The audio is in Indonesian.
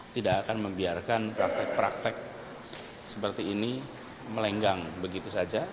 tidak akan membiarkan praktek praktek seperti ini melenggang begitu saja